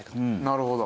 なるほど。